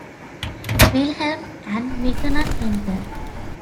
Wilhelm and Mignon enter.